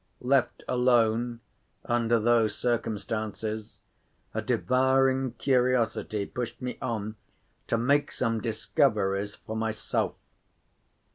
Left alone, under those circumstances, a devouring curiosity pushed me on to make some discoveries for myself.